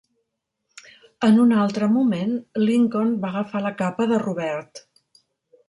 En un altre moment, Lincoln va agafar la capa de Robert.